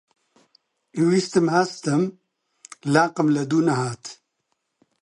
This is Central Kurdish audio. ویستم هەستم، لاقم لەدوو نەهات